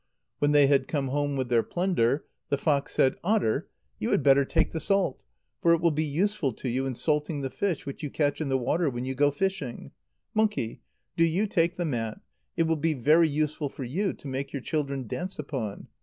When they had come home with their plunder, the fox said: "Otter! you had better take the salt, for it will be useful to you in salting the fish which you catch in the water when you go fishing. Monkey! do you take the mat; it will be very useful for you to make your children dance upon.